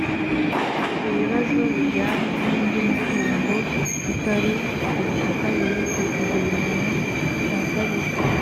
ibibazo bijyanye n’indi mitungo itari ubutaka biri ku kigereranyo cya kabiri